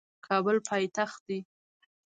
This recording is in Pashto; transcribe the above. کابل پایتخت دی